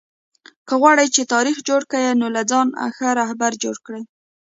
که غواړى، چي تاریخ جوړ کئ؛ نو له ځانه ښه راهبر جوړ کئ!